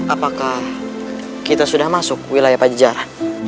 apakah kita sudah masuk wilayah pajajaran